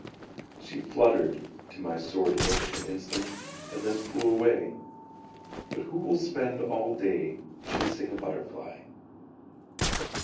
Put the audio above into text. She fluttered to my sword hilt an instant, And then flew away; But who will spend all day chasing a butterfly?